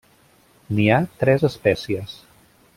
N'hi ha tres espècies.